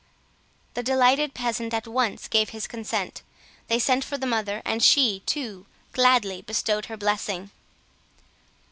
The delighted peasant at once gave his consent; they sent for the mother, and she, too, gladly bestowed her blessing.